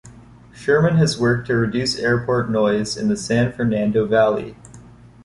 Sherman has worked to reduce airport noise in the San Fernando Valley.